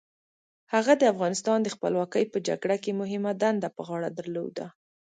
هغه د افغانستان د خپلواکۍ په جګړه کې مهمه دنده په غاړه درلوده.